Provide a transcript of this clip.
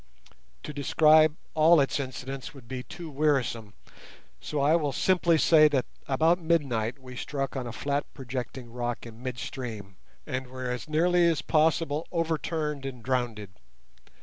To describe all its incidents would be too wearisome, so I will simply say that about midnight we struck on a flat projecting rock in mid stream and were as nearly as possible overturned and drowned.